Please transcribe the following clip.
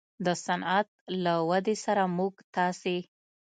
د صنعت له ودې سره موږ تاسې